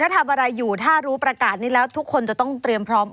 ถ้ารู้ประกาศนี้แล้วทุกคนจะต้องเตรียมพร้อมโอเค